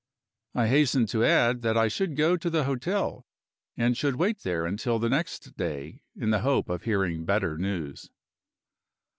I hastened to add that I should go to the hotel, and should wait there until the next day, in the hope of hearing better news.